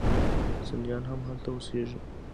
سنیان هم هلته اوسیږي.